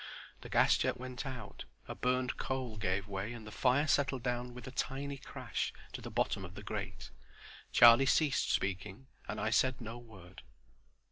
The gas jet went out, a burned coal gave way, and the fire settled down with a tiny crash to the bottom of the grate. Charlie ceased speaking, and I said no word.